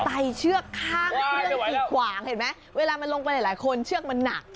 เชือกข้างเครื่องกีดขวางเห็นไหมเวลามันลงไปหลายคนเชือกมันหนัก